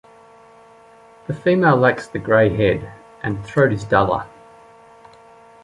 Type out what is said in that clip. The female lacks the grey head, and the throat is duller.